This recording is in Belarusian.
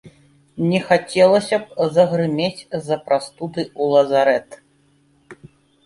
Не хацелася б загрымець з-за прастуды ў лазарэт.